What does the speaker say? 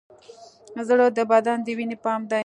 زړه د بدن د وینې پمپ دی.